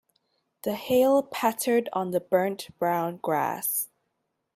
The hail pattered on the burnt brown grass.